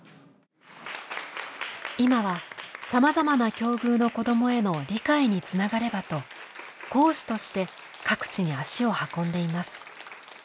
今は様々な境遇の子どもへの理解につながればと講師として各地に足を運んでいます。